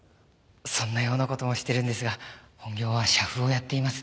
そんなような事もしてるんですが本業は写譜をやっています。